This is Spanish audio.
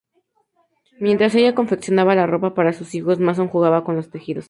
Mientras ella confeccionaba la ropa para sus hijos, Mason jugaba con los tejidos.